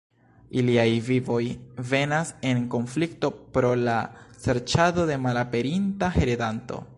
Iliaj vivoj venas en konflikto pro la serĉado de malaperinta heredanto.